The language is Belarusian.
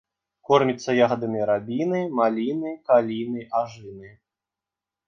Корміцца ягадамі рабіны, маліны, каліны, ажыны.